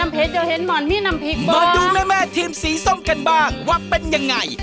มาดูแม่ทีมสีส้มกันบ้างว่าเป็นยังไง